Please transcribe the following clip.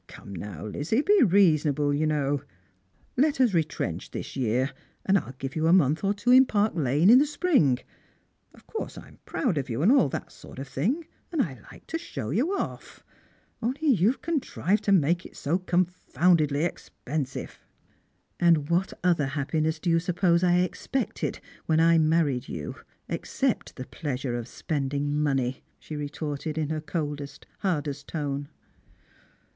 Come, now, Lizzie, be reasonable, you know. Let us retrench this year, and I'll give you a month or two in Park lane in the spring. Of course I'm proud of you, and all that sort of thing, and I like to show you off. Only you've contrived to make it so confoundedly expensive." " What other happiness do you suppose I expected when I married you, except the pleasure of spending money?" she re torted, in her coldest, hardest tone.